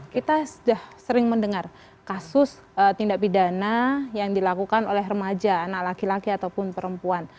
kita sudah sering mendengar kasus tindak pidana yang dilakukan oleh remaja anak laki laki ataupun perempuan